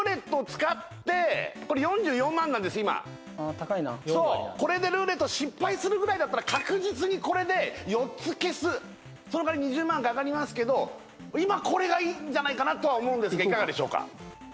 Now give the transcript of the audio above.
高いなこれでルーレット失敗するぐらいなら確実にこれで４つ消すその代わり２０万かかりますけど今これがいいんじゃないかなとは思うんですがいかがでしょうか？